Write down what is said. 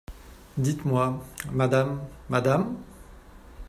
Dites-moi, madame,… madame ?